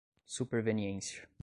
superveniência